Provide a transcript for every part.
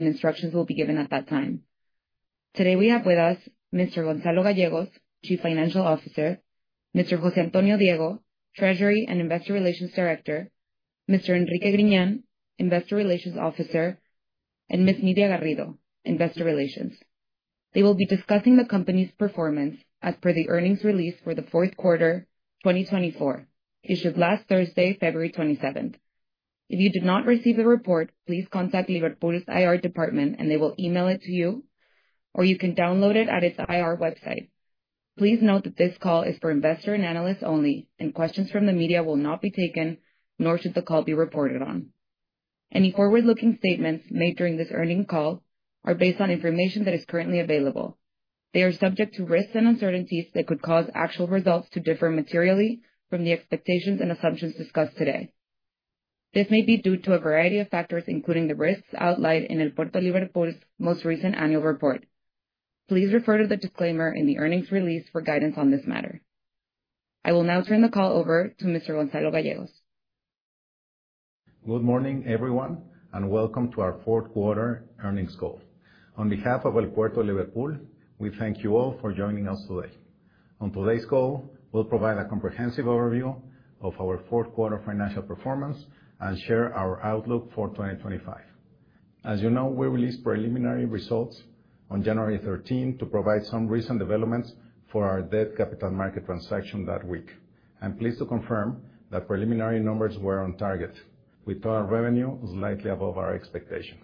Instructions will be given at that time. Today we have with us Mr. Gonzalo Gallegos, Chief Financial Officer, Mr. José Antonio Diego, Treasury and Investor Relations Director, Mr. Enrique Griñán, Investor Relations Officer, and Ms. Nydia Garrido, Investor Relations. They will be discussing the company's performance as per the earnings release for the Fourth Quarter 2024, issued last Thursday, February 27th. If you did not receive the report, please contact Liverpool's IR Department, and they will email it to you, or you can download it at its IR website. Please note that this call is for investors and analysts only, and questions from the media will not be taken, nor should the call be reported on. Any forward-looking statements made during this earnings call are based on information that is currently available. They are subject to risks and uncertainties that could cause actual results to differ materially from the expectations and assumptions discussed today. This may be due to a variety of factors, including the risks outlined in El Puerto de Liverpool's most recent annual report. Please refer to the disclaimer in the earnings release for guidance on this matter. I will now turn the call over to Mr. Gonzalo Gallegos. Good morning, everyone, and welcome to our Fourth Quarter Earnings Call. On behalf of El Puerto de Liverpool, we thank you all for joining us today. On today's call, we'll provide a comprehensive overview of our fourth quarter financial performance and share our outlook for 2025. As you know, we released preliminary results on January 13th to provide some recent developments for our debt capital market transaction that week. I'm pleased to confirm that preliminary numbers were on target, with total revenue slightly above our expectation.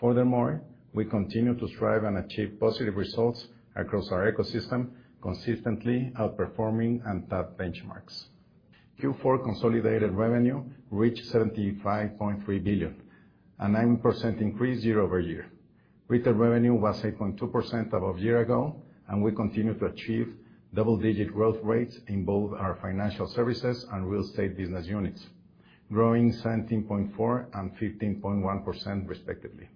Furthermore, we continue to strive and achieve positive results across our ecosystem, consistently outperforming ANTAD benchmarks. Q4 consolidated revenue reached 75.3 billion, a 9% increase year-over-year. Retail revenue was 8.2% above year ago, and we continue to achieve double-digit growth rates in both our financial services and real estate business units, growing 17.4% and 15.1% respectively.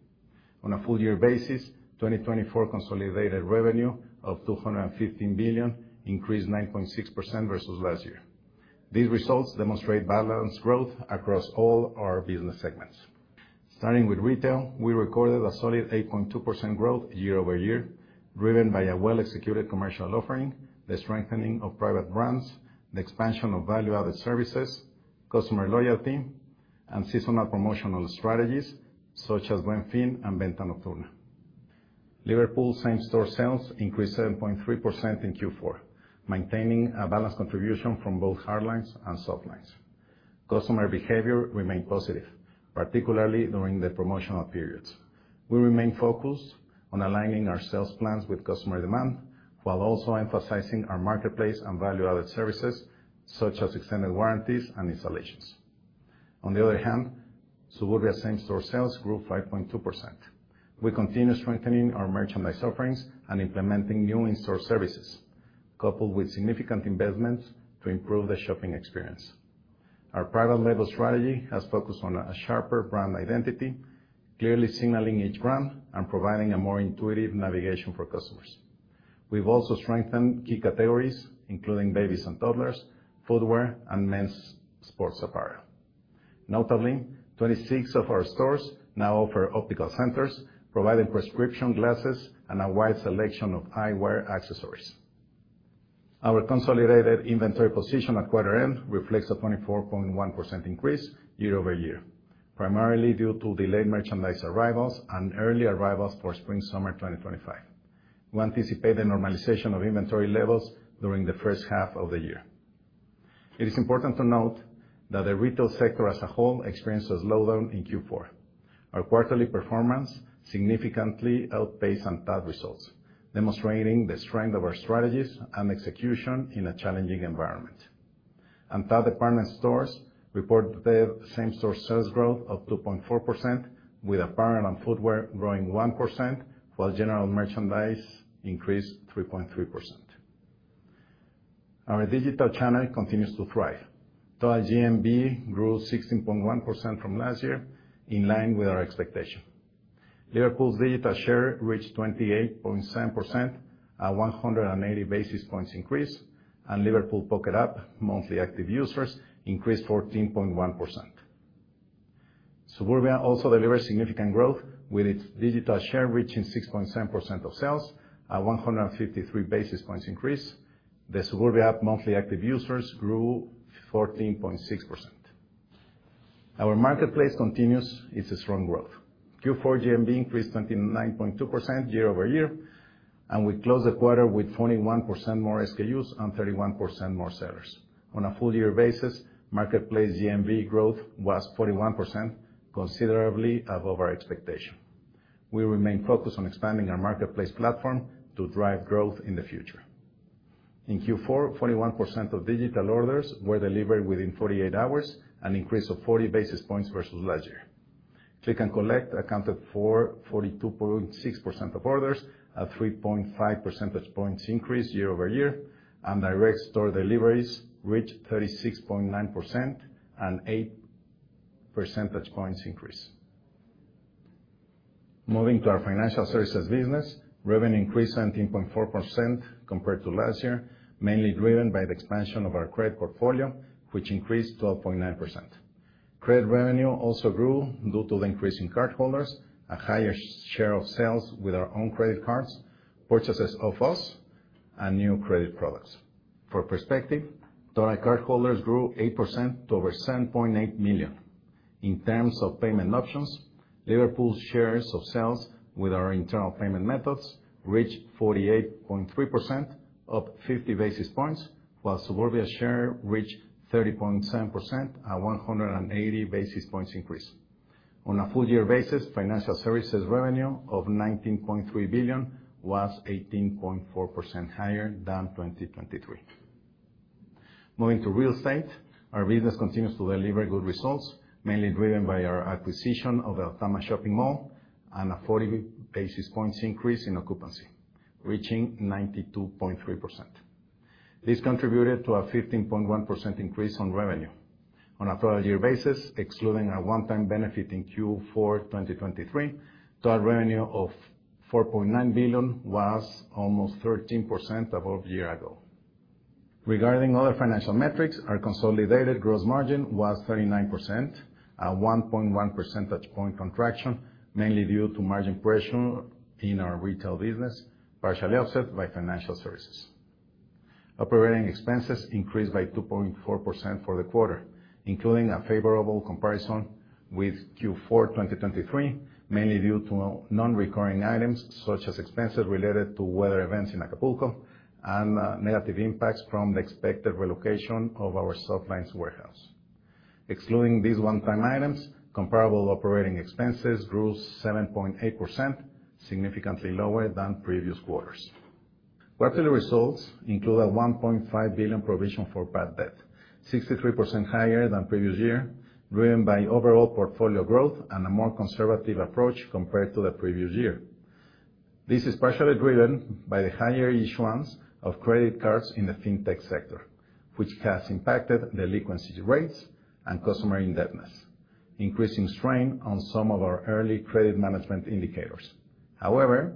On a full-year basis, 2024 consolidated revenue of 215 billion increased 9.6% versus last year. These results demonstrate balanced growth across all our business segments. Starting with retail, we recorded a solid 8.2% growth year-over-year, driven by a well-executed commercial offering, the strengthening of private brands, the expansion of value-added services, customer loyalty, and seasonal promotional strategies such as El Buen Fin and Venta Nocturna. Liverpool's same-store sales increased 7.3% in Q4, maintaining a balanced contribution from both hard lines and soft lines. Customer behavior remained positive, particularly during the promotional periods. We remained focused on aligning our sales plans with customer demand, while also emphasizing our marketplace and value-added services such as extended warranties and installations. On the other hand, Suburbia's same-store sales grew 5.2%. We continue strengthening our merchandise offerings and implementing new in-store services, coupled with significant investments to improve the shopping experience. Our private label strategy has focused on a sharper brand identity, clearly signaling each brand and providing a more intuitive navigation for customers. We've also strengthened key categories, including babies and toddlers, footwear, and men's sports apparel. Notably, 26 of our stores now offer optical centers, providing prescription glasses and a wide selection of eyewear accessories. Our consolidated inventory position at quarter end reflects a 24.1% increase year-over-year, primarily due to delayed merchandise arrivals and early arrivals for spring-summer 2025. We anticipate the normalization of inventory levels during the first half of the year. It is important to note that the retail sector as a whole experienced a slowdown in Q4. Our quarterly performance significantly outpaced the sector's results, demonstrating the strength of our strategies and execution in a challenging environment. Our department stores reported same-store sales growth of 2.4%, with apparel and footwear growing 1%, while general merchandise increased 3.3%. Our digital channel continues to thrive. Total GMV grew 16.1% from last year, in line with our expectation. Liverpool's digital share reached 28.7%, a 180 basis points increase, and Liverpool Pocket app monthly active users increased 14.1%. Suburbia also delivered significant growth, with its digital share reaching 6.7% of sales, a 153 basis points increase. The Suburbia app monthly active users grew 14.6%. Our marketplace continues its strong growth. Q4 GMV increased 29.2% year-over-year, and we closed the quarter with 41% more SKUs and 31% more sellers. On a full-year basis, marketplace GMV growth was 41%, considerably above our expectation. We remain focused on expanding our marketplace platform to drive growth in the future. In Q4, 41% of digital orders were delivered within 48 hours, an increase of 40 basis points versus last year. Click & Collect accounted for 42.6% of orders, a 3.5 percentage points increase year-over-year, and direct store deliveries reached 36.9%, an 8 percentage points increase. Moving to our financial services business, revenue increased 17.4% compared to last year, mainly driven by the expansion of our credit portfolio, which increased 12.9%. Credit revenue also grew due to the increase in cardholders, a higher share of sales with our own credit cards, purchases of us, and new credit products. For perspective, total cardholders grew 8% to over 7.8 million. In terms of payment options, Liverpool's shares of sales with our internal payment methods reached 48.3%, up 50 basis points, while Suburbia's share reached 30.7%, a 180 basis points increase. On a full-year basis, financial services revenue of 19.3 billion was 18.4% higher than 2023. Moving to real estate, our business continues to deliver good results, mainly driven by our acquisition of the Altama Shopping Mall and a 40 basis points increase in occupancy, reaching 92.3%. This contributed to a 15.1% increase in revenue. On a total year basis, excluding our one-time benefit in Q4 2023, total revenue of 4.9 billion was almost 13% above year ago. Regarding other financial metrics, our consolidated gross margin was 39%, a 1.1 percentage point contraction, mainly due to margin pressure in our retail business, partially offset by financial services. Operating expenses increased by 2.4% for the quarter, including a favorable comparison with Q4 2023, mainly due to non-recurring items such as expenses related to weather events in Acapulco and negative impacts from the expected relocation of our soft lines warehouse. Excluding these one-time items, comparable operating expenses grew 7.8%, significantly lower than previous quarters. Quarterly results include a 1.5 billion provision for bad debt, 63% higher than previous year, driven by overall portfolio growth and a more conservative approach compared to the previous year. This is partially driven by the higher issuance of credit cards in the fintech sector, which has impacted the liquidity rates and customer indebtedness, increasing strain on some of our early credit management indicators. However,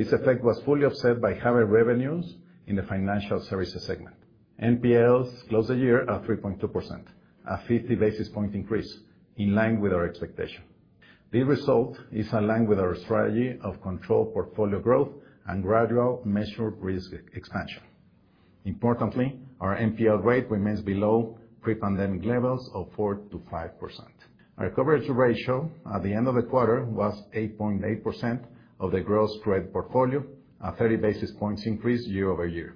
this effect was fully offset by higher revenues in the financial services segment. NPLs closed the year at 3.2%, a 50 basis point increase, in line with our expectation. This result is aligned with our strategy of controlled portfolio growth and gradual measured risk expansion. Importantly, our NPL rate remains below pre-pandemic levels of 4%-5%. Our coverage ratio at the end of the quarter was 8.8% of the gross credit portfolio, a 30 basis points increase year-over-year.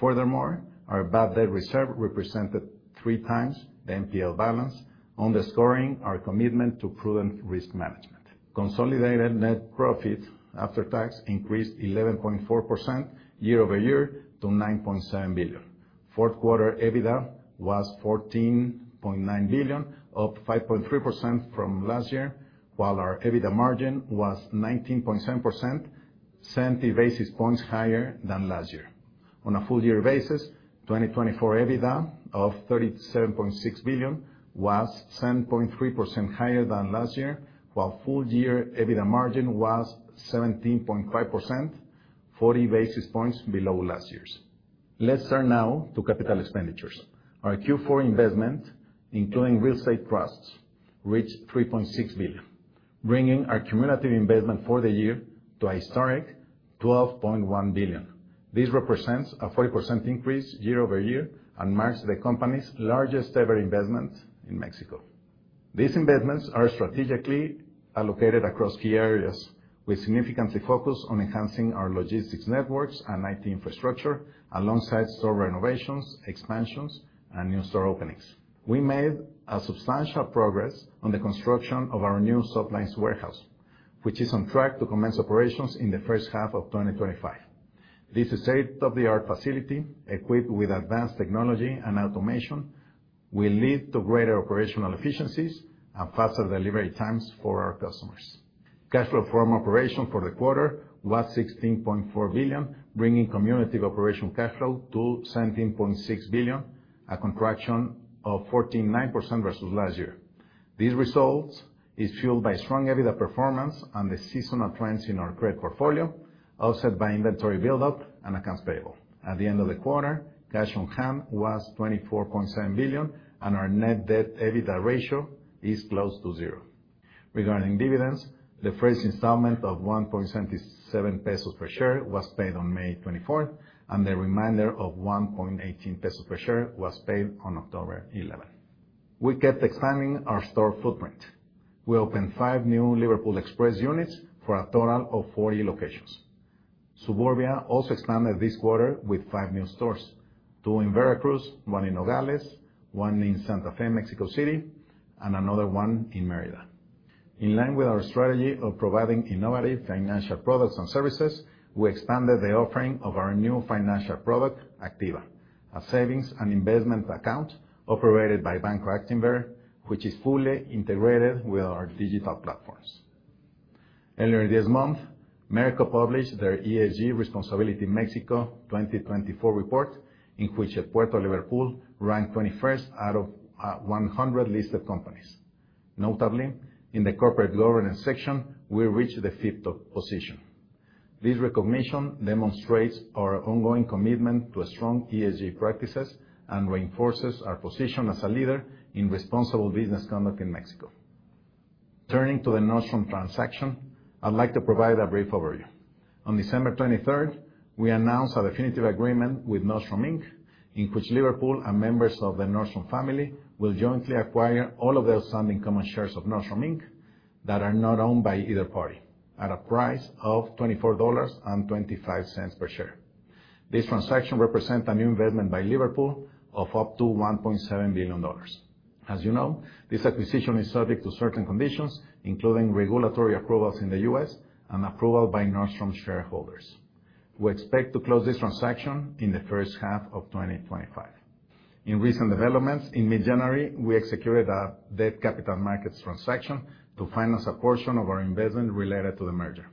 Furthermore, our bad debt reserve represented three times the NPL balance, underscoring our commitment to prudent risk management. Consolidated net profit after tax increased 11.4% year-over-year to 9.7 billion. Fourth quarter EBITDA was 14.9 billion, up 5.3% from last year, while our EBITDA margin was 19.7%, 70 basis points higher than last year. On a full-year basis, 2024 EBITDA of 37.6 billion was 7.3% higher than last year, while full-year EBITDA margin was 17.5%, 40 basis points below last year's. Let's turn now to capital expenditures. Our Q4 investment, including real estate trusts, reached 3.6 billion, bringing our cumulative investment for the year to a historic 12.1 billion. This represents a 40% increase year-over-year and marks the company's largest-ever investment in Mexico. These investments are strategically allocated across key areas, with significant focus on enhancing our logistics networks and IT infrastructure, alongside store renovations, expansions, and new store openings. We made substantial progress on the construction of our new soft lines warehouse, which is on track to commence operations in the first half of 2025. This state-of-the-art facility, equipped with advanced technology and automation, will lead to greater operational efficiencies and faster delivery times for our customers. Cash flow from operations for the quarter was 16.4 billion, bringing cumulative operational cash flow to 17.6 billion, a contraction of 14.9% versus last year. This result is fueled by strong EBITDA performance and the seasonal trends in our credit portfolio, offset by inventory buildup and accounts payable. At the end of the quarter, cash on hand was 24.7 billion, and our net debt/EBITDA ratio is close to zero. Regarding dividends, the first installment of 1.77 pesos per share was paid on May 24th, and the remainder of 1.18 pesos per share was paid on October 11th. We kept expanding our store footprint. We opened five new Liverpool Express units for a total of 40 locations. Suburbia also expanded this quarter with five new stores, two in Veracruz, one in Nogales, one in Santa Fe, Mexico City, and another one in Mérida. In line with our strategy of providing innovative financial products and services, we expanded the offering of our new financial product, Activa, a savings and investment account operated by Banco Actinver, which is fully integrated with our digital platforms. Earlier this month, Merco published their ESG Responsibility Mexico 2024 report, in which Puerto Liverpool ranked 21st out of 100 listed companies. Notably, in the corporate governance section, we reached the fifth position. This recognition demonstrates our ongoing commitment to strong ESG practices and reinforces our position as a leader in responsible business conduct in Mexico. Turning to the Nordstrom transaction, I'd like to provide a brief overview. On December 23rd, we announced a definitive agreement with Nordstrom Inc., in which Liverpool and members of the Nordstrom family will jointly acquire all of the outstanding common shares of Nordstrom Inc. that are not owned by either party, at a price of $24.25 per share. This transaction represents a new investment by Liverpool of up to 1.7 billion. As you know, this acquisition is subject to certain conditions, including regulatory approvals in the U.S. and approval by Nordstrom shareholders. We expect to close this transaction in the first half of 2025. In recent developments, in mid-January, we executed a debt capital markets transaction to finance a portion of our investment related to the merger.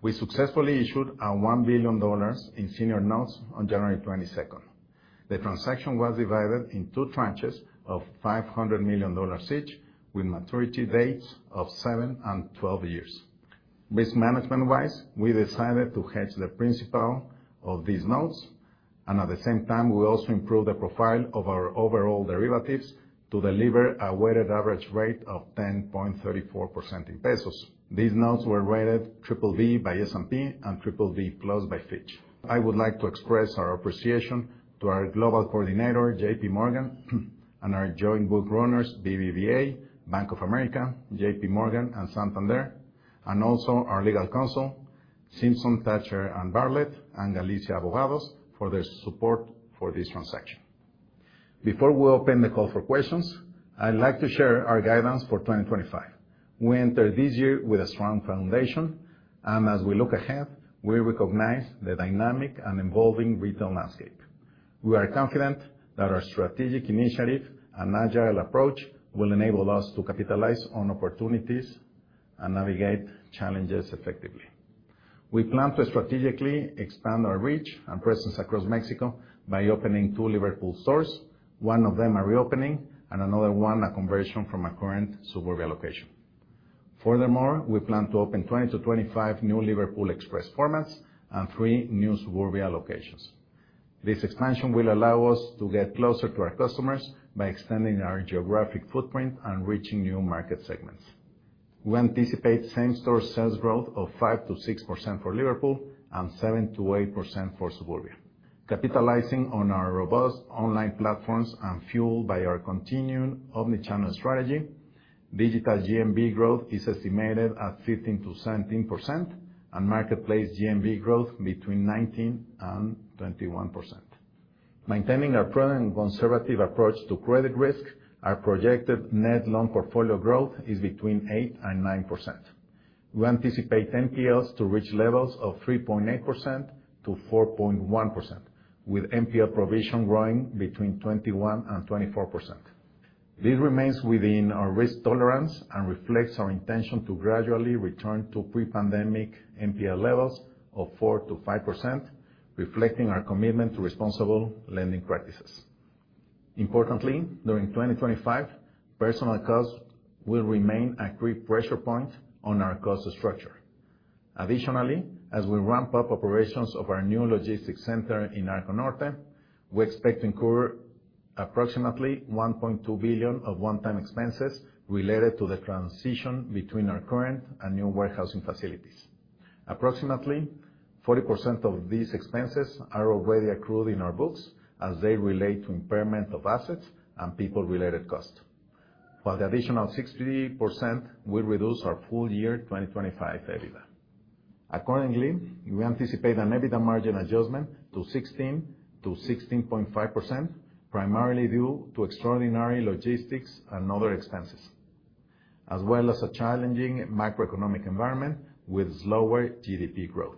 We successfully issued a MXN 1 billion in senior notes on January 22nd. The transaction was divided into two tranches of MXN 500 million each, with maturity dates of 7 and 12 years. Risk management-wise, we decided to hedge the principal of these notes, and at the same time, we also improved the profile of our overall derivatives to deliver a weighted average rate of 10.34% in pesos. These notes were rated BBB by S&P and BBB+ by Fitch. I would like to express our appreciation to our global coordinator, JPMorgan, and our joint book runners, BBVA, Bank of America, JPMorgan, and Santander, and also our legal counsel, Simpson Thacher & Bartlett, and Galicia Abogados, for their support for this transaction. Before we open the call for questions, I'd like to share our guidance for 2025. We entered this year with a strong foundation, and as we look ahead, we recognize the dynamic and evolving retail landscape. We are confident that our strategic initiative and agile approach will enable us to capitalize on opportunities and navigate challenges effectively. We plan to strategically expand our reach and presence across Mexico by opening two Liverpool stores, one of them a reopening and another one a conversion from a current Suburbia location. Furthermore, we plan to open 20-25 new Liverpool Express formats and three new Suburbia locations. This expansion will allow us to get closer to our customers by extending our geographic footprint and reaching new market segments. We anticipate same-store sales growth of 5%-6% for Liverpool and 7%-8% for Suburbia. Capitalizing on our robust online platforms and fueled by our continued omnichannel strategy, digital GMV growth is estimated at 15%-17%, and marketplace GMV growth between 19% and 21%. Maintaining our prudent and conservative approach to credit risk, our projected net loan portfolio growth is between 8% and 9%. We anticipate NPLs to reach levels of 3.8%-4.1%, with NPL provision growing between 21% and 24%. This remains within our risk tolerance and reflects our intention to gradually return to pre-pandemic NPL levels of 4%-5%, reflecting our commitment to responsible lending practices. Importantly, during 2025, personal costs will remain a critical pressure point on our cost structure. Additionally, as we ramp up operations of our new logistics center in Arco Norte, we expect to incur approximately 1.2 billion of one-time expenses related to the transition between our current and new warehousing facilities. Approximately 40% of these expenses are already accrued in our books as they relate to impairment of assets and people-related costs, while the additional 60% will reduce our full-year 2025 EBITDA. Accordingly, we anticipate an EBITDA margin adjustment to 16%-16.5%, primarily due to extraordinary logistics and other expenses, as well as a challenging macroeconomic environment with slower GDP growth.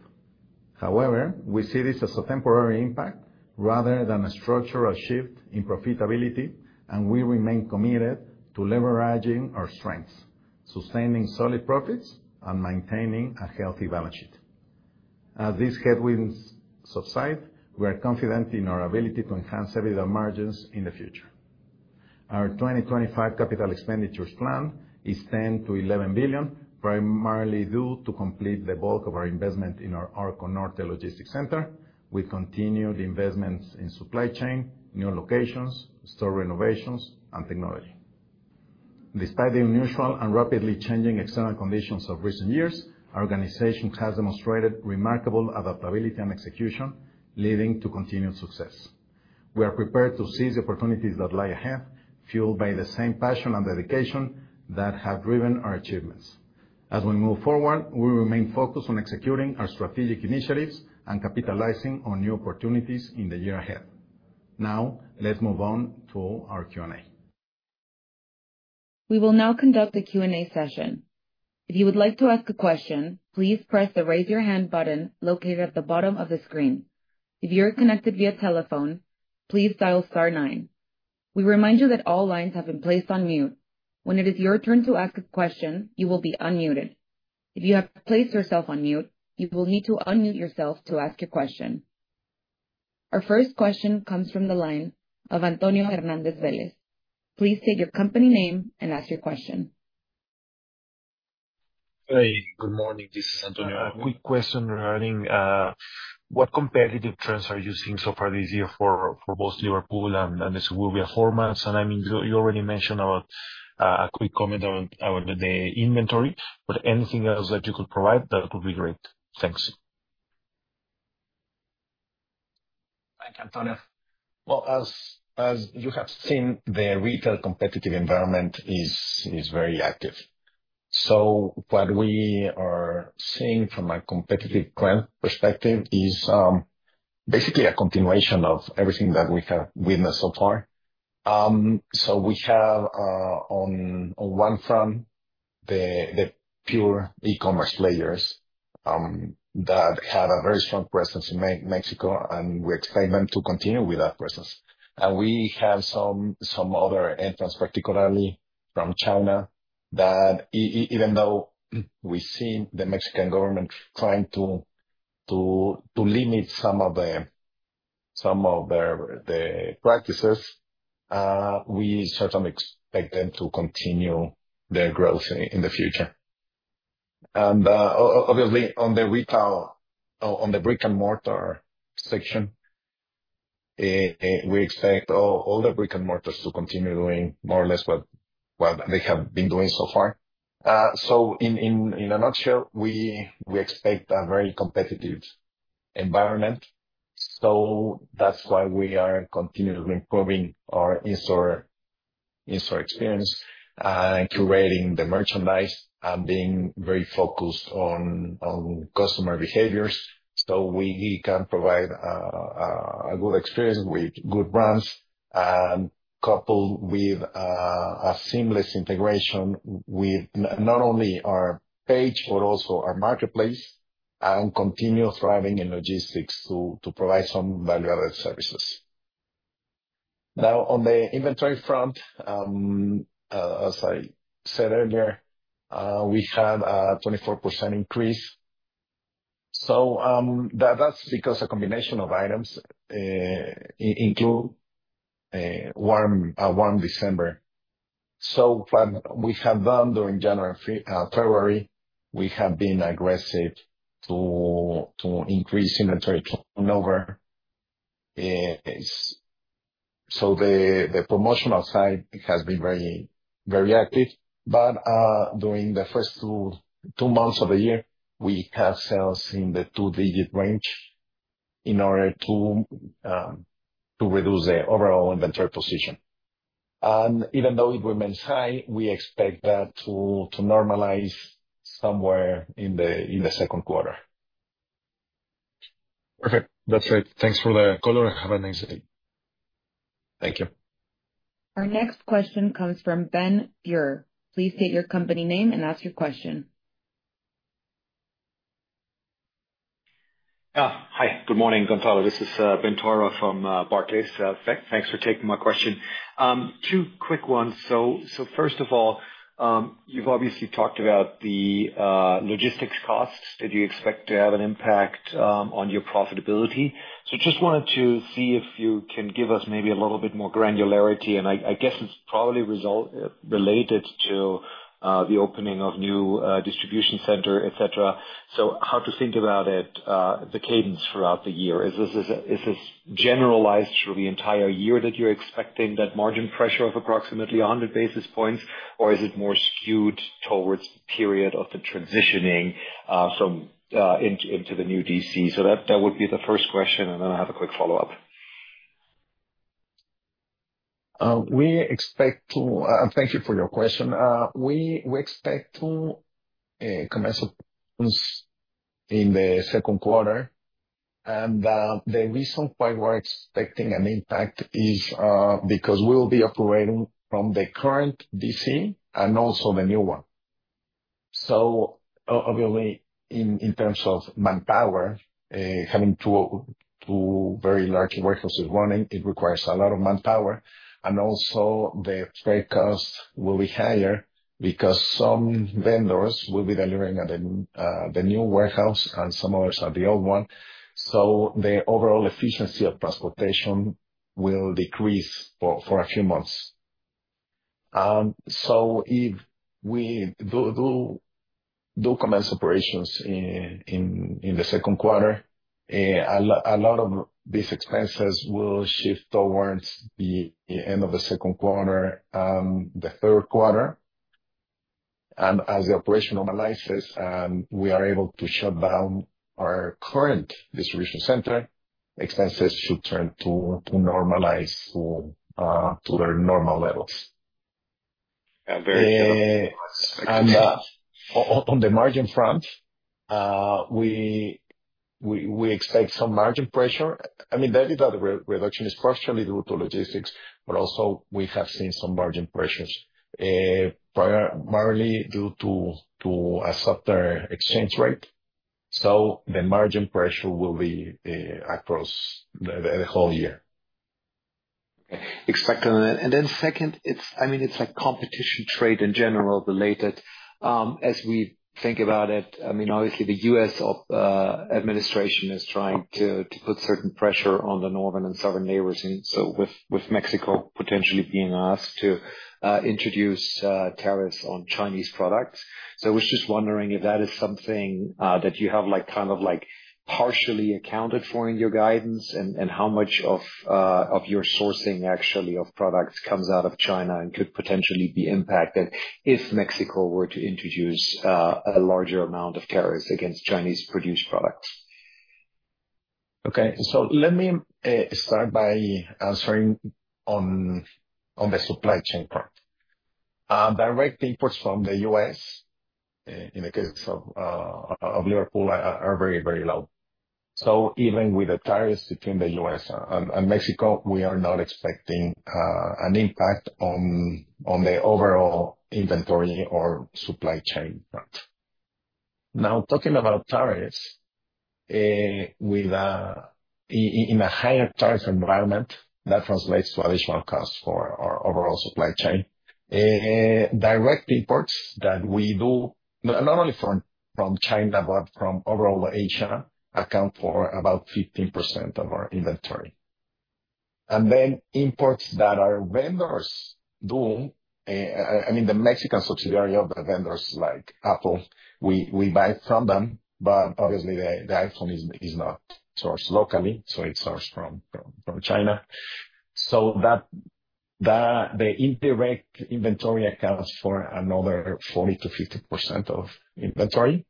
However, we see this as a temporary impact rather than a structural shift in profitability, and we remain committed to leveraging our strengths, sustaining solid profits, and maintaining a healthy balance sheet. As these headwinds subside, we are confident in our ability to enhance EBITDA margins in the future. Our 2025 capital expenditures plan is 10 billion-11 billion, primarily due to complete the bulk of our investment in our Arco Norte logistics center, with continued investments in supply chain, new locations, store renovations, and technology. Despite the unusual and rapidly changing external conditions of recent years, our organization has demonstrated remarkable adaptability and execution, leading to continued success. We are prepared to seize the opportunities that lie ahead, fueled by the same passion and dedication that have driven our achievements. As we move forward, we remain focused on executing our strategic initiatives and capitalizing on new opportunities in the year ahead. Now, let's move on to our Q&A. We will now conduct a Q&A session. If you would like to ask a question, please press the raise-your-hand button located at the bottom of the screen. If you're connected via telephone, please dial star nine. We remind you that all lines have been placed on mute. When it is your turn to ask a question, you will be unmuted. If you have placed yourself on mute, you will need to unmute yourself to ask your question. Our first question comes from the line of Antonio Hernández Vélez. Please state your company name and ask your question. Hey, good morning. This is Antonio. A quick question regarding what competitive trends are you seeing so far this year for both Liverpool and the Suburbia formats? And I mean, you already mentioned about a quick comment about the inventory, but anything else that you could provide, that would be great. Thanks. Thank you, Antonio. Well, as you have seen, the retail competitive environment is very active. So what we are seeing from a competitive trend perspective is basically a continuation of everything that we have witnessed so far. So we have, on one front, the pure e-commerce players that have a very strong presence in Mexico, and we expect them to continue with that presence. We have some other entrants, particularly from China, that even though we've seen the Mexican government trying to limit some of their practices, we certainly expect them to continue their growth in the future. Obviously, on the retail, on the brick-and-mortar section, we expect all the brick-and-mortars to continue doing more or less what they have been doing so far. In a nutshell, we expect a very competitive environment. That's why we are continuously improving our in-store experience and curating the merchandise and being very focused on customer behaviors. We can provide a good experience with good brands, coupled with a seamless integration with not only our page, but also our marketplace and continue thriving in logistics to provide some value-added services. Now, on the inventory front, as I said earlier, we had a 24% increase. So that's because a combination of items includes a warm December. So what we have done during January and February, we have been aggressive to increase inventory turnover. So the promotional side has been very active, but during the first two months of the year, we have sales in the two-digit range in order to reduce the overall inventory position. And even though it remains high, we expect that to normalize somewhere in the second quarter. Perfect. That's it. Thanks for the call, and have a nice day. Thank you. Our next question comes from Benjamin Theurer. Please state your company name and ask your question. Hi, good morning, Antonio. This is Benjamin Theurer from Barclays. Thanks for taking my question. Two quick ones. So first of all, you've obviously talked about the logistics costs that you expect to have an impact on your profitability. So just wanted to see if you can give us maybe a little bit more granularity, and I guess it's probably related to the opening of new distribution centers, etc., so how to think about it, the cadence throughout the year? Is this generalized through the entire year that you're expecting that margin pressure of approximately 100 basis points, or is it more skewed towards the period of the transitioning into the new DC? So that would be the first question, and then I have a quick follow-up. Thank you for your question. We expect to commence in the second quarter, and the reason why we're expecting an impact is because we will be operating from the current DC and also the new one, so obviously, in terms of manpower, having two very large warehouses running, it requires a lot of manpower. Also, the freight costs will be higher because some vendors will be delivering at the new warehouse and some others at the old one. The overall efficiency of transportation will decrease for a few months. If we do commence operations in the second quarter, a lot of these expenses will shift towards the end of the second quarter and the third quarter. As the operation normalizes and we are able to shut down our current distribution center, expenses should turn to normalize to their normal levels. On the margin front, we expect some margin pressure. I mean, the EBITDA reduction is partially due to logistics, but also we have seen some margin pressures primarily due to a softer exchange rate. The margin pressure will be across the whole year. Expecting that. And then second, I mean, it's like competition trade in general related. As we think about it, I mean, obviously, the U.S. administration is trying to put certain pressure on the northern and southern neighbors, with Mexico potentially being asked to introduce tariffs on Chinese products. So I was just wondering if that is something that you have kind of partially accounted for in your guidance and how much of your sourcing actually of products comes out of China and could potentially be impacted if Mexico were to introduce a larger amount of tariffs against Chinese-produced products. Okay. So let me start by answering on the supply chain front. Direct imports from the U.S., in the case of Liverpool, are very, very low. So even with the tariffs between the U.S. and Mexico, we are not expecting an impact on the overall inventory or supply chain front. Now, talking about tariffs, in a higher tariff environment, that translates to additional costs for our overall supply chain. Direct imports that we do, not only from China but from overall Asia, account for about 15% of our inventory, and then imports that our vendors do, I mean, the Mexican subsidiary of the vendors like Apple, we buy from them, but obviously, the iPhone is not sourced locally, so it's sourced from China, so the indirect inventory accounts for another 40% to 50% of inventory,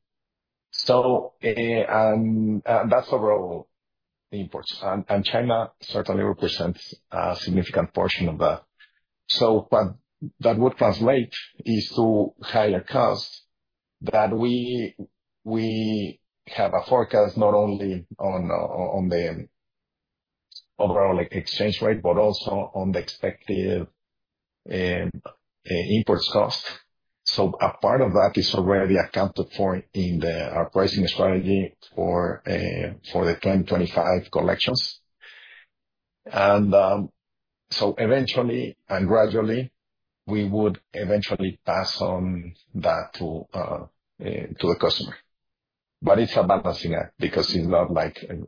and that's overall imports, and China certainly represents a significant portion of that, so what that would translate is to higher costs that we have a forecast not only on the overall exchange rate but also on the expected imports cost, so a part of that is already accounted for in our pricing strategy for the 2025 collections. And so eventually and gradually, we would eventually pass on that to the customer. But it's a balancing act because it's not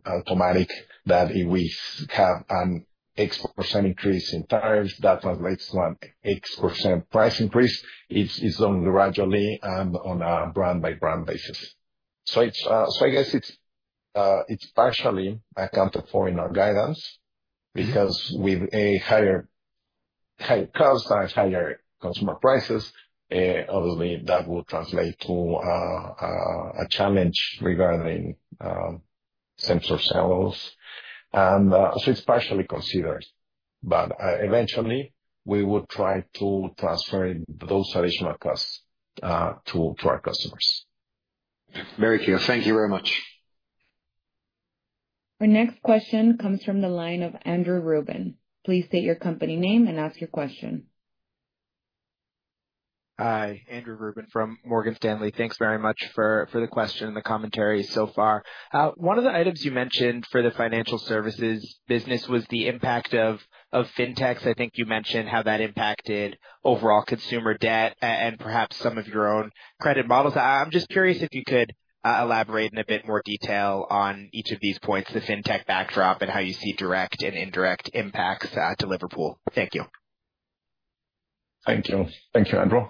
automatic that if we have an X% increase in tariffs, that translates to an X% price increase. It's done gradually and on a brand-by-brand basis. So I guess it's partially accounted for in our guidance because with higher costs and higher consumer prices, obviously, that will translate to a challenge regarding same-store sales. And so it's partially considered. But eventually, we would try to transfer those additional costs to our customers. Very clear. Thank you very much. Our next question comes from the line of Andrew Ruben. Please state your company name and ask your question. Hi, Andrew Ruben from Morgan Stanley. Thanks very much for the question and the commentary so far. One of the items you mentioned for the financial services business was the impact of fintechs. I think you mentioned how that impacted overall consumer debt and perhaps some of your own credit models. I'm just curious if you could elaborate in a bit more detail on each of these points, the fintech backdrop, and how you see direct and indirect impacts to Liverpool. Thank you. Thank you, Andrew.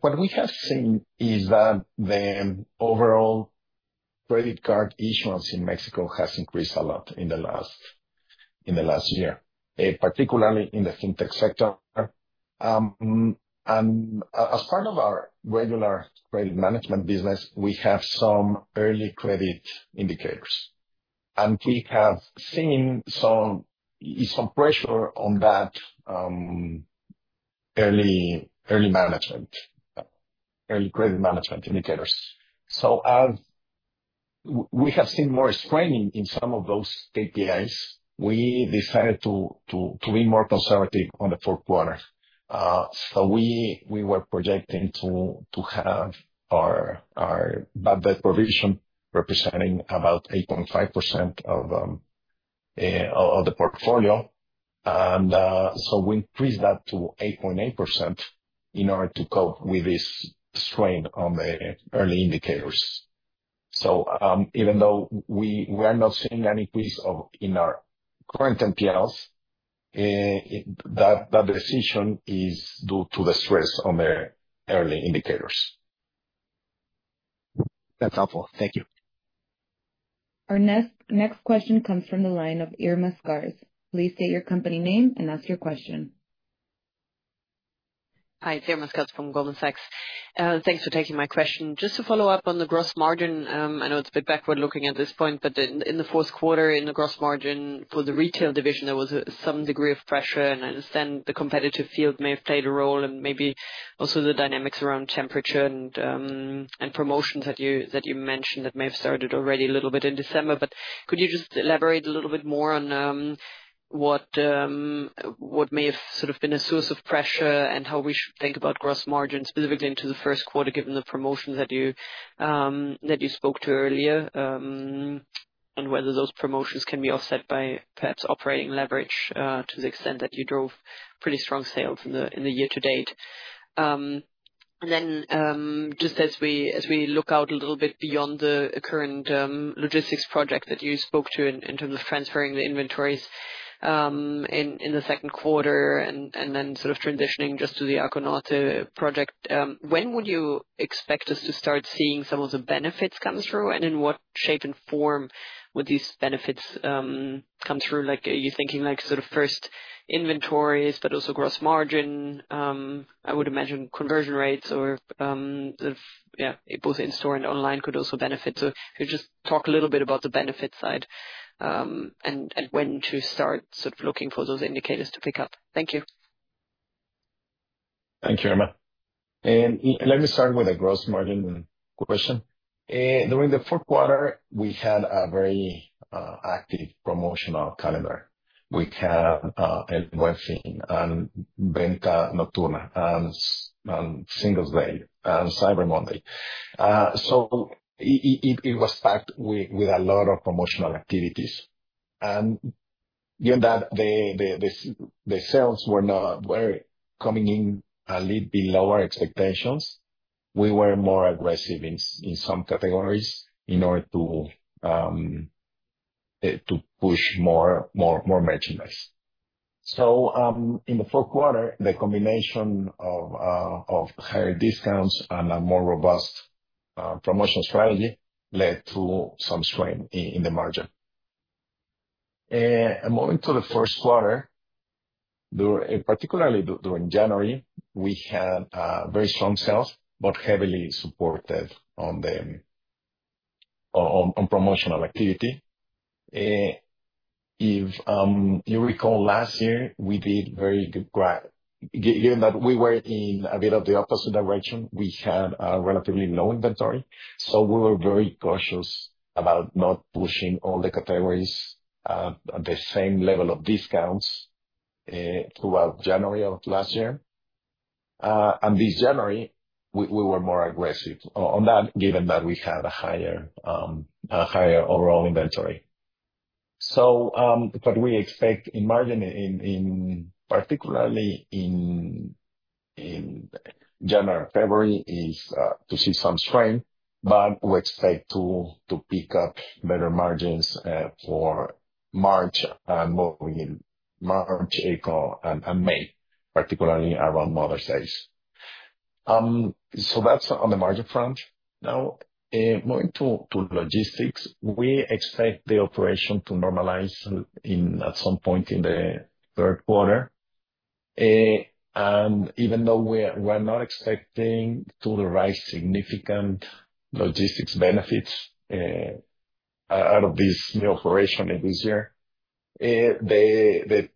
What we have seen is that the overall credit card issuance in Mexico has increased a lot in the last year, particularly in the fintech sector. And as part of our regular credit management business, we have some early credit indicators. And we have seen some pressure on that early credit management indicators. So we have seen more straining in some of those KPIs. We decided to be more conservative on the fourth quarter. So we were projecting to have our bad debt provision representing about 8.5% of the portfolio. And so we increased that to 8.8% in order to cope with this strain on the early indicators. So even though we are not seeing an increase in our current NPLs, that decision is due to the stress on the early indicators. That's helpful. Thank you. Our next question comes from the line of Irma Sgarz. Please state your company name and ask your question. Hi, Irma Sgarz from Goldman Sachs. Thanks for taking my question. Just to follow up on the gross margin, I know it's a bit backward looking at this point, but in the fourth quarter, in the gross margin for the retail division, there was some degree of pressure. I understand the competitive field may have played a role and maybe also the dynamics around temperature and promotions that you mentioned that may have started already a little bit in December. Could you just elaborate a little bit more on what may have sort of been a source of pressure and how we should think about gross margin specifically into the first quarter given the promotions that you spoke to earlier and whether those promotions can be offset by perhaps operating leverage to the extent that you drove pretty strong sales in the year to date? And then, just as we look out a little bit beyond the current logistics project that you spoke to in terms of transferring the inventories in the second quarter and then sort of transitioning just to the Arco Norte project, when would you expect us to start seeing some of the benefits come through? And in what shape and form would these benefits come through? Are you thinking sort of first inventories, but also gross margin? I would imagine conversion rates or, yeah, both in-store and online could also benefit. So if you just talk a little bit about the benefit side and when to start sort of looking for those indicators to pick up. Thank you. Thank you, Irma. And let me start with a gross margin question. During the fourth quarter, we had a very active promotional calendar. We had El Buen Fin and Venta Nocturna and Singles Day and Cyber Monday. So it was packed with a lot of promotional activities. And given that the sales were coming in a little below our expectations, we were more aggressive in some categories in order to push more merchandise. So in the fourth quarter, the combination of higher discounts and a more robust promotional strategy led to some strain in the margin. Moving to the first quarter, particularly during January, we had very strong sales but heavily supported on promotional activity. If you recall, last year, we did very good growth. Given that we were in a bit of the opposite direction, we had a relatively low inventory. So we were very cautious about not pushing all the categories at the same level of discounts throughout January of last year. This January, we were more aggressive on that, given that we had a higher overall inventory. We expect in margin, particularly in January and February, to see some strain, but we expect to pick up better margins for March and April and May, particularly around Mother's Day. That's on the margin front. Now, moving to logistics, we expect the operation to normalize at some point in the third quarter. Even though we are not expecting to derive significant logistics benefits out of this new operation this year, the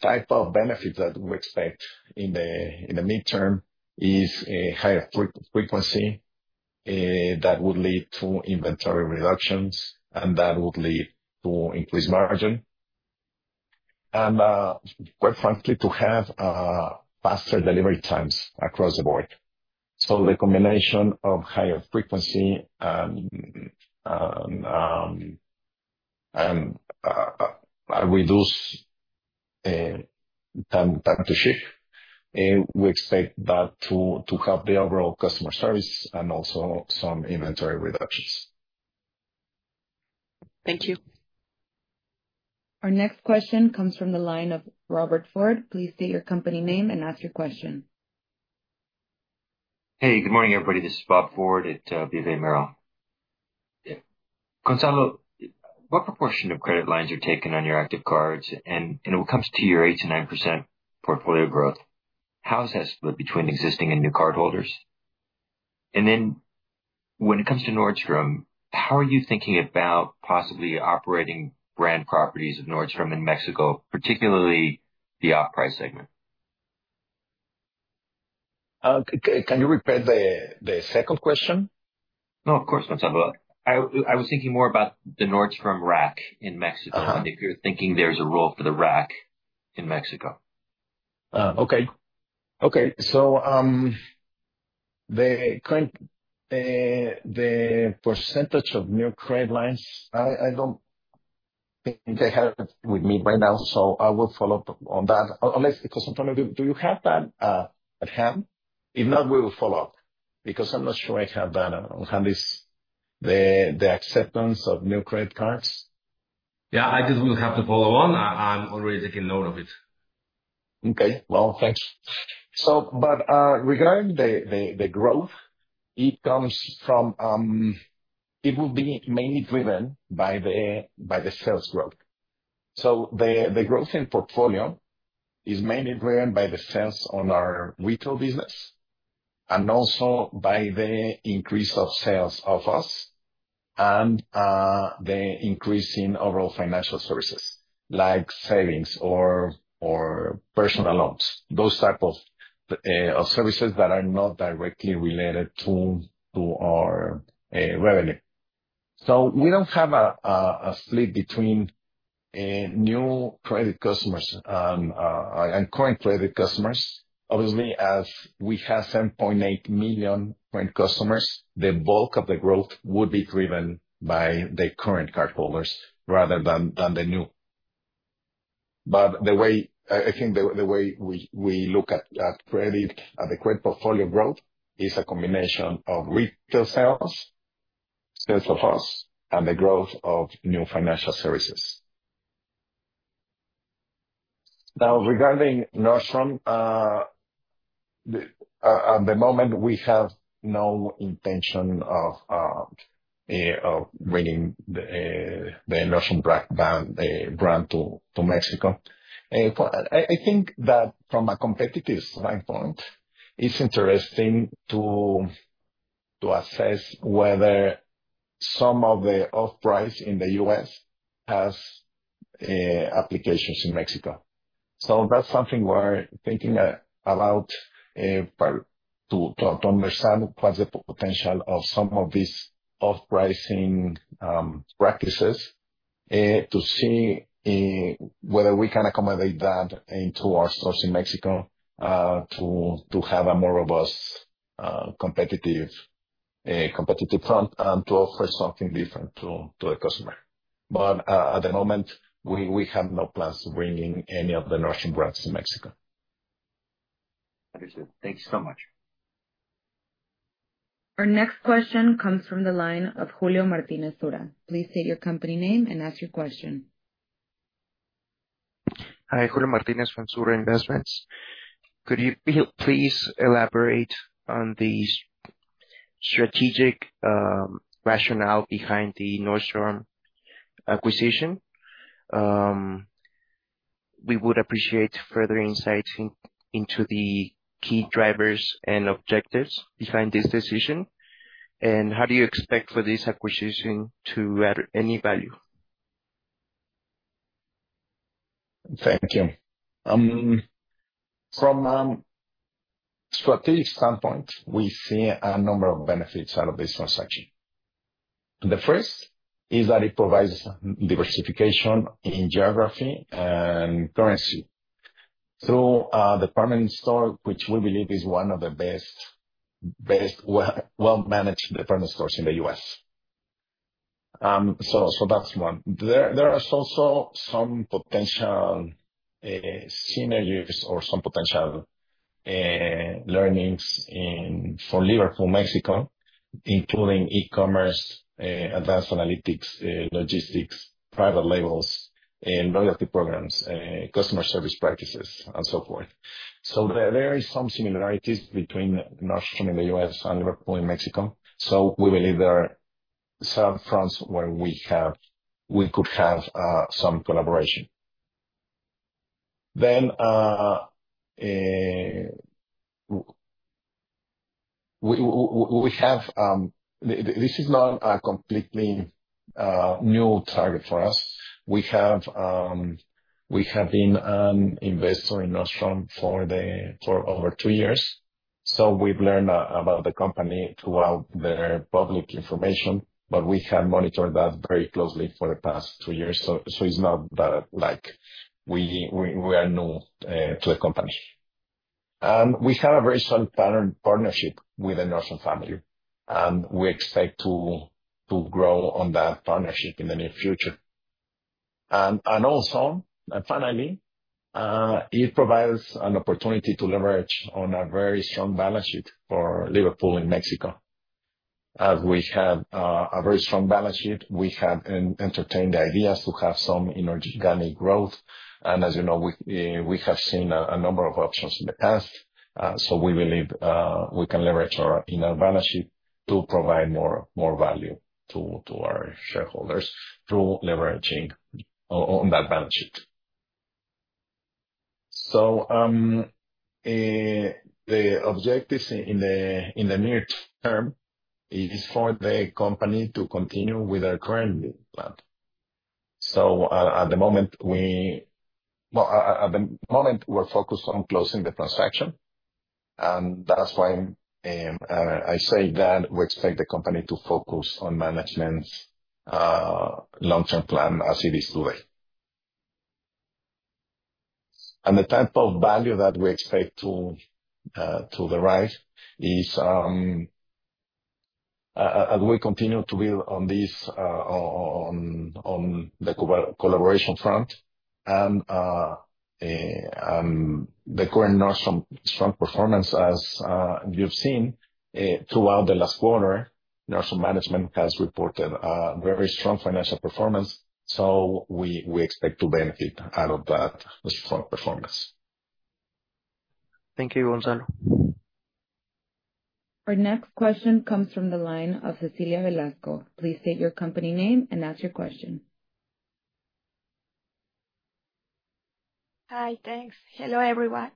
type of benefits that we expect in the midterm is higher frequency that would lead to inventory reductions and that would lead to increased margin and, quite frankly, to have faster delivery times across the board. So the combination of higher frequency and reduced time to ship, we expect that to help the overall customer service and also some inventory reductions. Thank you. Our next question comes from the line of Robert Ford. Please state your company name and ask your question. Hey, good morning, everybody. This is Bob Ford at Bank of America. Gonzalo, what proportion of credit lines are taken on your active cards? And when it comes to your 8-9% portfolio growth, how is that split between existing and new cardholders? And then when it comes to Nordstrom, how are you thinking about possibly operating brand properties of Nordstrom in Mexico, particularly the off-price segment? Can you repeat the second question? No, of course, Gonzalo. I was thinking more about the Nordstrom Rack in Mexico. If you're thinking there's a role for the Rack in Mexico. Okay. Okay. So, the current percentage of new credit lines, I don't think they have with me right now. So I will follow up on that. Because I'm trying to do you have that at hand? If not, we will follow up because I'm not sure I have that on hand, the acceptance of new credit cards. Yeah, I just will have to follow up. I'm already taking note of it. Okay. Well, thanks. But regarding the growth, it comes from it will be mainly driven by the sales growth. So the growth in portfolio is mainly driven by the sales on our retail business and also by the increase of sales of us and the increase in overall financial services like savings or personal loans, those type of services that are not directly related to our revenue. So we don't have a split between new credit customers and current credit customers. Obviously, as we have 7.8 million current customers, the bulk of the growth would be driven by the current cardholders rather than the new. But I think the way we look at the credit portfolio growth is a combination of retail sales, sales to us, and the growth of new financial services. Now, regarding Nordstrom, at the moment, we have no intention of bringing the Nordstrom brand to Mexico. I think that from a competitive standpoint, it's interesting to assess whether some of the off-price in the U.S. has applications in Mexico. So that's something we're thinking about to understand what's the potential of some of these off-pricing practices to see whether we can accommodate that into our stores in Mexico to have a more robust competitive front and to offer something different to the customer. But at the moment, we have no plans to bring in any of the Nordstrom brands to Mexico. Understood. Thank you so much. Our next question comes from the line of Julio Martínez Sura. Please state your company name and ask your question. Hi, Julio Martínez from Sura Investments. Could you please elaborate on the strategic rationale behind the Nordstrom acquisition? We would appreciate further insights into the key drivers and objectives behind this decision. And how do you expect for this acquisition to add any value? Thank you. From a strategic standpoint, we see a number of benefits out of this transaction. The first is that it provides diversification in geography and currency through department store, which we believe is one of the best well-managed department stores in the U.S. So that's one. There are also some potential synergies or some potential learnings for Liverpool, Mexico, including e-commerce, advanced analytics, logistics, private labels, loyalty programs, customer service practices, and so forth. There are some similarities between Nordstrom in the U.S. and Liverpool in Mexico. We believe there are some fronts where we could have some collaboration. Then we have this is not a completely new target for us. We have been an investor in Nordstrom for over two years. We've learned about the company throughout their public information, but we have monitored that very closely for the past two years. It's not that we are new to the company. We have a very solid partnership with the Nordstrom family. We expect to grow on that partnership in the near future. And also, and finally, it provides an opportunity to leverage on a very strong balance sheet for Liverpool in Mexico. As we have a very strong balance sheet, we have entertained ideas to have some inorganic growth. And as you know, we have seen a number of options in the past. So we believe we can leverage our strong balance sheet to provide more value to our shareholders through leveraging on that balance sheet. So the objectives in the near term is for the company to continue with our current plan. So at the moment, well, we're focused on closing the transaction. And that's why I say that we expect the company to focus on management's long-term plan as it is today. The type of value that we expect to derive is as we continue to build on this on the collaboration front and the current Nordstrom strong performance, as you've seen throughout the last quarter. Nordstrom management has reported very strong financial performance. So we expect to benefit out of that strong performance. Thank you, Gonzalo. Our next question comes from the line of Cecilia Velasco. Please state your company name and ask your question. Hi, thanks. Hello, everyone.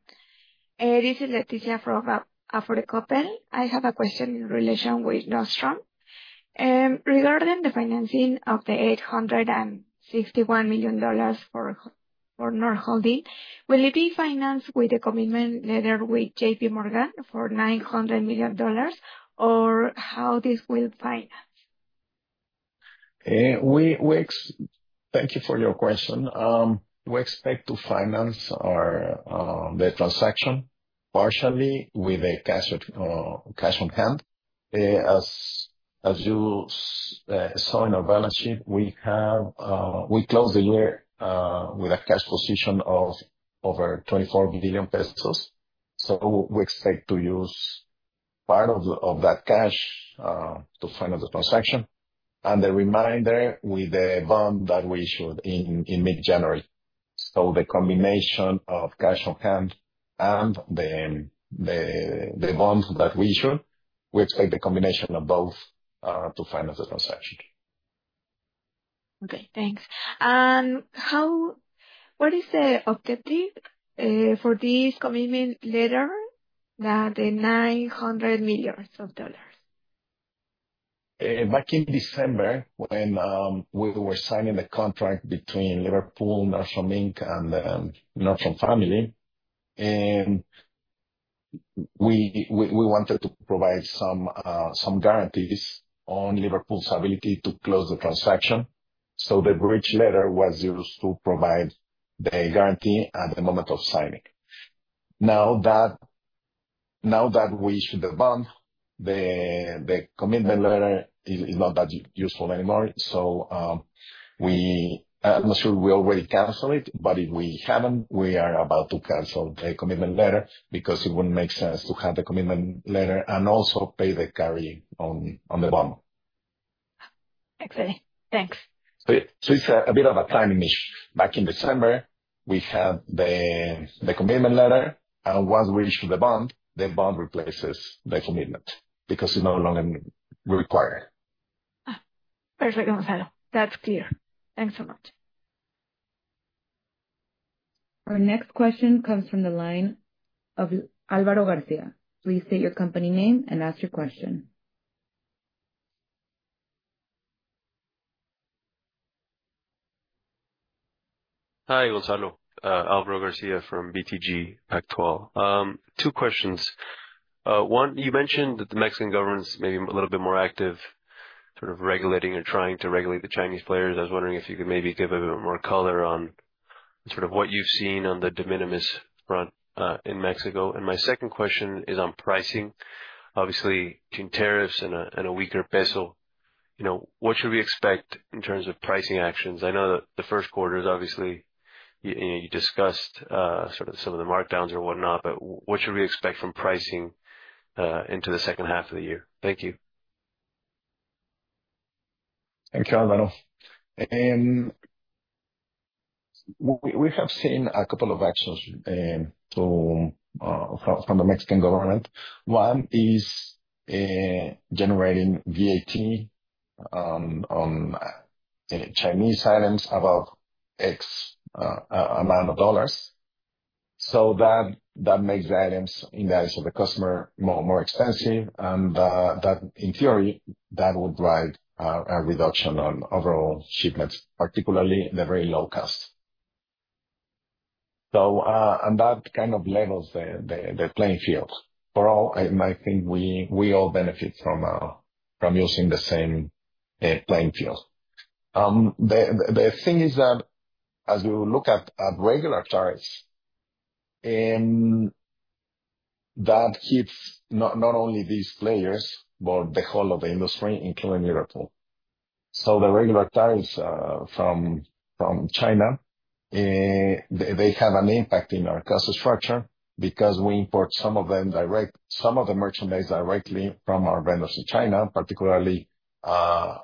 This is Leticia from Afore Coppel. I have a question in relation with Nordstrom. Regarding the financing of the MXN 861 million for Nordstrom holding, will it be financed with the commitment letter with JPMorgan for MXN 900 million or how this will finance? Thank you for your question. We expect to finance the transaction partially with a cash on hand. As you saw in our balance sheet, we closed the year with a cash position of over 24 billion pesos, so we expect to use part of that cash to finance the transaction, and the remainder with the bond that we issued in mid-January, so the combination of cash on hand and the bond that we issued, we expect the combination of both to finance the transaction. Okay, thanks. And what is the objective for this commitment letter than the $900 million? Back in December, when we were signing the contract between Liverpool, Nordstrom Inc., and the Nordstrom family, we wanted to provide some guarantees on Liverpool's ability to close the transaction, so the bridge letter was used to provide the guarantee at the moment of signing. Now that we issued the bond, the commitment letter is not that useful anymore. So I'm not sure we already canceled it, but if we haven't, we are about to cancel the commitment letter because it wouldn't make sense to have the commitment letter and also pay the carry on the bond. So it's a bit of a timing issue. Back in December, we had the commitment letter. And once we issued the bond, the bond replaces the commitment because it's no longer required. Perfect, Gonzalo. That's clear. Thanks so much. Our next question comes from the line of Álvaro García. Please state your company name and ask your question. Hi, Gonzalo. Álvaro García from BTG Pactual. Two questions. One, you mentioned that the Mexican government's maybe a little bit more active sort of regulating or trying to regulate the Chinese players. I was wondering if you could maybe give a bit more color on sort of what you've seen on the de minimis front in Mexico. And my second question is on pricing. Obviously, between tariffs and a weaker peso, what should we expect in terms of pricing actions? I know that the first quarter is obviously you discussed sort of some of the markdowns or whatnot, but what should we expect from pricing into the second half of the year? Thank you. Thank you, Gonzalo. We have seen a couple of actions from the Mexican government. One is generating VAT on Chinese items above X amount of dollars. So that makes items in the eyes of the customer more expensive. And that, in theory, that would drive a reduction on overall shipments, particularly the very low cost. And that kind of levels the playing field. Overall, I think we all benefit from using the same playing field. The thing is that as we look at regular tariffs, that hits not only these players, but the whole of the industry, including Liverpool. So the regular tariffs from China, they have an impact in our cost structure because we import some of the merchandise directly from our vendors in China, particularly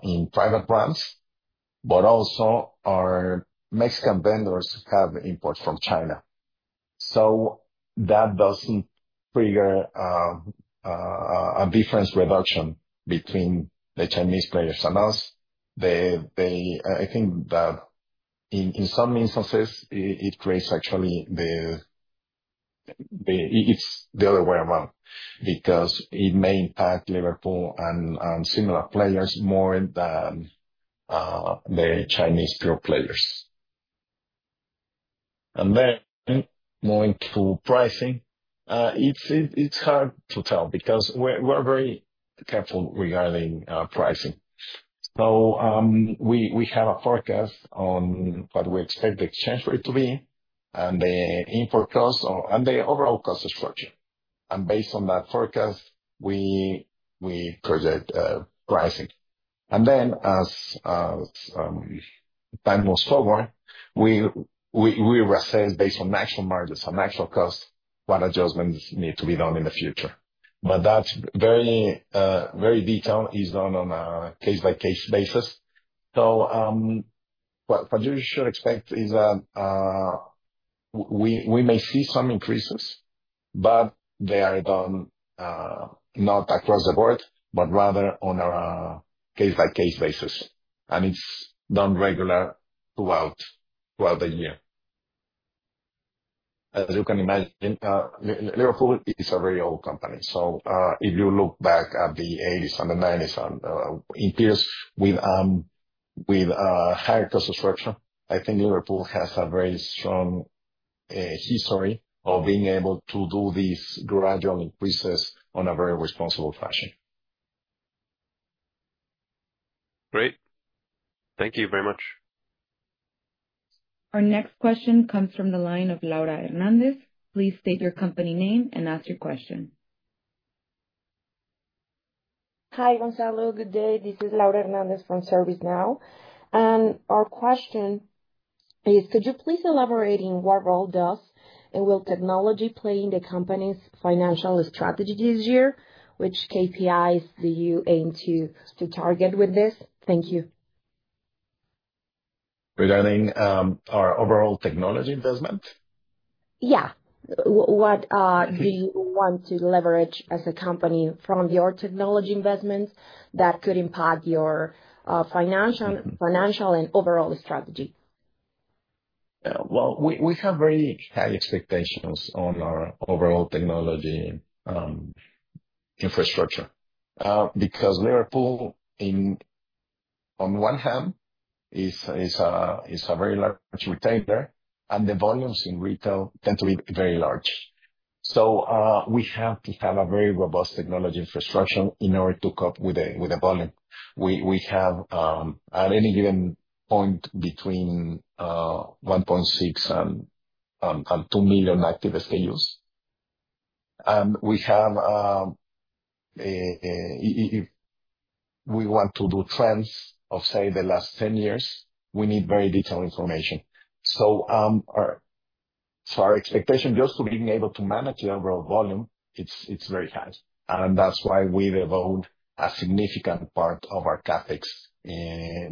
in private brands. But also our Mexican vendors have imports from China. So that doesn't trigger a difference reduction between the Chinese players and us. I think that in some instances, it creates actually, it's the other way around because it may impact Liverpool and similar players more than the Chinese pure players. And then moving to pricing, it's hard to tell because we're very careful regarding pricing. So we have a forecast on what we expect the exchange rate to be and the overall cost structure. And based on that forecast, we project pricing. And then as time moves forward, we reassess based on actual margins and actual costs what adjustments need to be done in the future. But that very detail is done on a case-by-case basis. So what you should expect is that we may see some increases, but they are done not across the board, but rather on a case-by-case basis. And it's done regular throughout the year. As you can imagine, Liverpool is a very old company. So if you look back at the 1980s and the 1990s in periods with a higher cost structure, I think Liverpool has a very strong history of being able to do these gradual increases on a very responsible fashion. Great. Thank you very much. Our next question comes from the line of Laura Hernández. Please state your company name and ask your question. Hi, Gonzalo. Good day. This is Laura Hernández from ServiceNow. And our question is, could you please elaborate on what role does and will technology play in the company's financial strategy this year, which KPIs do you aim to target with this? Thank you. Regarding our overall technology investment? Yeah. What do you want to leverage as a company from your technology investments that could impact your financial and overall strategy? Well, we have very high expectations on our overall technology infrastructure because Liverpool, on one hand, is a very large retailer, and the volumes in retail tend to be very large. So we have to have a very robust technology infrastructure in order to cope with the volume. We have, at any given point, between 1.6 and 2 million active SKUs, and if we want to do trends of, say, the last 10 years, we need very detailed information. Our expectation just to being able to manage the overall volume is very high, and that's why we devote a significant part of our CapEx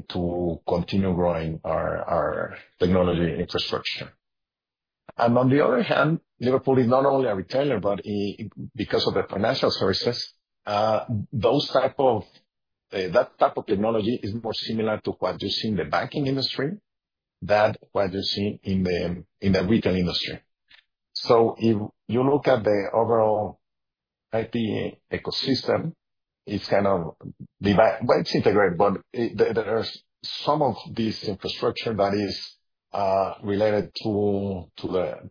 to continue growing our technology infrastructure. On the other hand, Liverpool is not only a retailer, but because of the financial services, that type of technology is more similar to what you see in the banking industry than what you see in the retail industry. If you look at the overall IT ecosystem, it's kind of integrated, but there's some of this infrastructure that is related to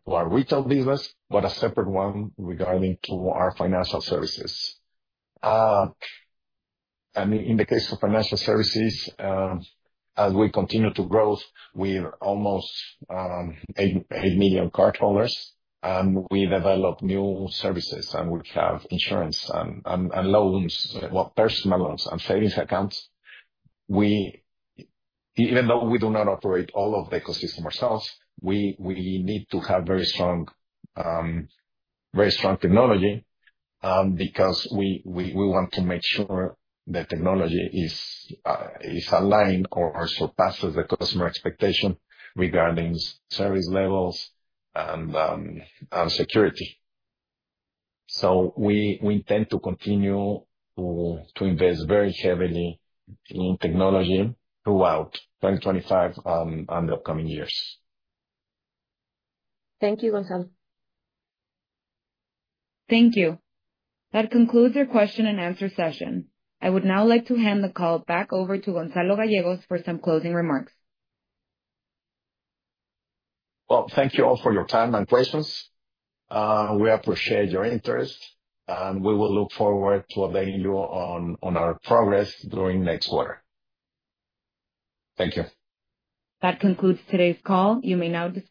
our retail business, but a separate one regarding our financial services. In the case of financial services, as we continue to grow, we're almost eight million cardholders, and we develop new services, and we have insurance and loans, personal loans, and savings accounts. Even though we do not operate all of the ecosystem ourselves, we need to have very strong technology because we want to make sure the technology is aligned or surpasses the customer expectation regarding service levels and security. So we intend to continue to invest very heavily in technology throughout 2025 and the upcoming years. Thank you, Gonzalo. Thank you. That concludes our question and answer session. I would now like to hand the call back over to Gonzalo Gallegos for some closing remarks. Thank you all for your time and questions. We appreciate your interest, and we will look forward to updating you on our progress during next quarter. Thank you. That concludes today's call. You may now.